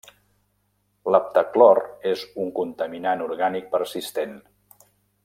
L’heptaclor és un contaminant orgànic persistent.